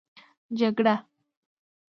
جگړه